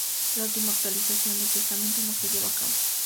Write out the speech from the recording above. La última actualización del Testamento no se lleva a cabo.